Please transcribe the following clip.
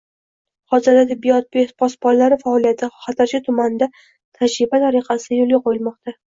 Hozirda “tibbiyot posbonlari” faoliyati Xatirchi tumanida tajriba tariqasida yoʻlga qoʻyilmoqda.